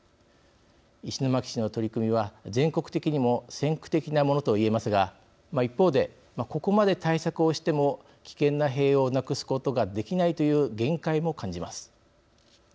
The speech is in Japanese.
石巻市の取り組みは全国的にも先駆的なものと言えますが一方で、ここまで対策をしても危険な塀をなくすことができないという限界も感じます。